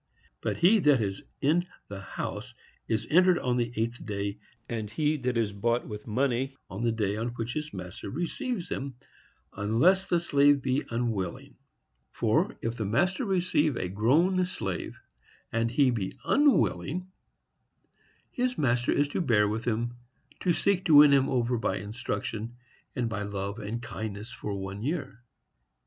But he that is in the house is entered on the eighth day; and he that is bought with money, on the day on which his master receives him, unless the slave be unwilling. For, if the master receive a grown slave, and he be unwilling, his master is to bear with him, to seek to win him over by instruction, and by love and kindness, for one year.